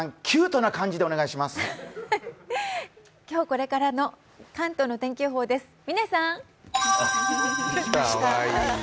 今日これからの関東の天気予報です、嶺さん！